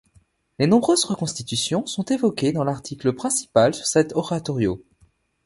Les nombreuses reconstitutions sont évoquées dans l'article principal sur cet oratorio.